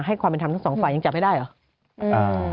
ความเป็นธรรมทั้งสองฝ่ายยังจับไม่ได้เหรอ